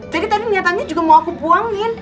jadi tadi niatannya juga mau aku buangnya